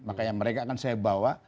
maka yang mereka akan saya bawa